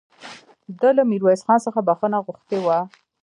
ده له ميرويس خان څخه بخښنه غوښتې وه